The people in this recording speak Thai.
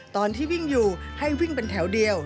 ตอนที่วิ่งอยู่ให้วิ่งเป็นแถวเดียว